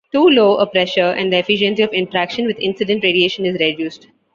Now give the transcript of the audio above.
Too low a pressure and the efficiency of interaction with incident radiation is reduced.